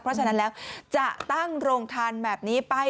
เพราะฉะนั้นแล้วจะตั้งโรงทานแบบนี้ไป